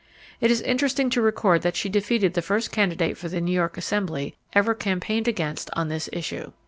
It is interesting to record that she defeated the first candidate for the New York Assembly ever campaigned against on this issue.